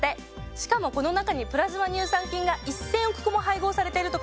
しかもこの中にプラズマ乳酸菌が１，０００億個も配合されてるとか。